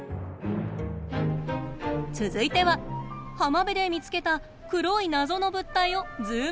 続いては浜辺で見つけた黒い謎の物体をズームアップ。